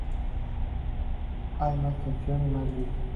Hay más tensión y más vida.